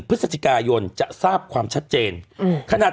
พฤศจิกายนจะทราบความชัดเจนขนาด